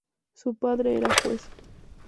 Su padre era juez.